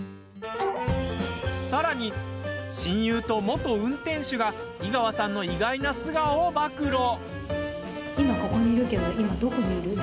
さらに、親友と元運転手が井川さんの意外な素顔を暴露。